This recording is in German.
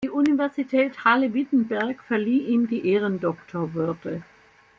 Die Universität Halle-Wittenberg verlieh ihm die Ehrendoktorwürde.